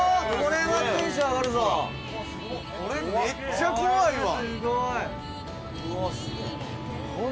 千賀：これ、めっちゃ怖いわ。